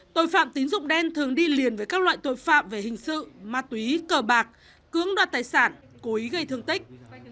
tội phạm tín dụng đen thường đi liền với các loại tội phạm về hình sự ma túy cờ bạc cưỡng đoạt tài sản cố ý gây thương tích